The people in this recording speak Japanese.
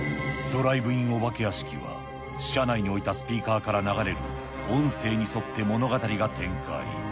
ドライブインお化け屋敷は、車内にに置いたスピーカーから流れる音声に沿って物語が展開。